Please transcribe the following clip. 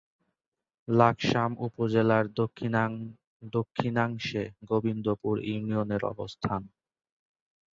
লাকসাম উপজেলার দক্ষিণাংশে গোবিন্দপুর ইউনিয়নের অবস্থান।